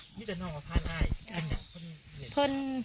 มีแต่น้องมาพาดอ้ายเป็นอย่างเพิ่งเรียน